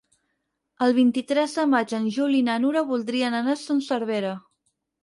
El vint-i-tres de maig en Juli i na Nura voldrien anar a Son Servera.